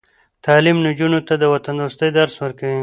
تعلیم نجونو ته د وطندوستۍ درس ورکوي.